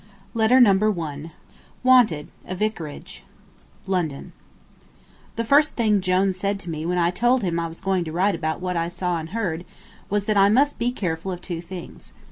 Letter Number One LONDON The first thing Jone said to me when I told him I was going to write about what I saw and heard was that I must be careful of two things.